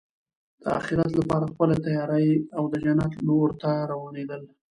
د اخرت لپاره خپله تیاری او د جنت لور ته روانېدل.